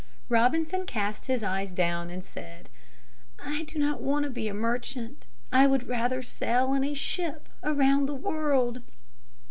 Robinson cast his eyes down and said, "I do not want to be a merchant, I would rather sail in a ship around the world."